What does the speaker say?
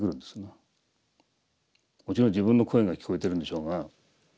もちろん自分の声が聞こえてるんでしょうが。